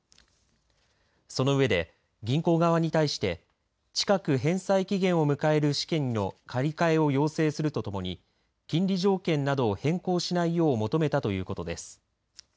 その上で、銀行側に対して近く返済期限を迎える資金の借り換えを要請するとともに金利条件などを変更しないよう求めたということです。